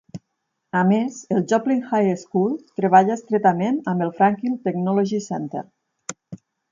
A més, el Joplin High School treballa estretament amb el Franklin Technology Center.